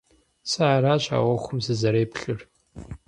Сэ аращ а Ӏуэхум сызэреплъыр.